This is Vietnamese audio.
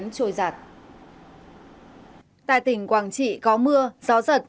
tại tỉnh quảng trị có mưa gió giật